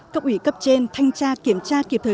cấp ủy cấp trên thanh tra kiểm tra kịp thời